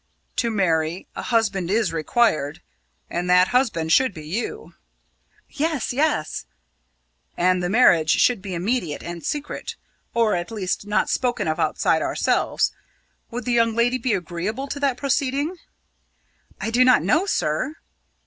"To marry, a husband is required. And that husband should be you." "Yes, yes." "And the marriage should be immediate and secret or, at least, not spoken of outside ourselves. Would the young lady be agreeable to that proceeding?" "I do not know, sir!"